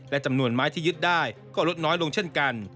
และจำนวนไม้ที่ยึดได้ก็ลดน้อยลงเช่นกัน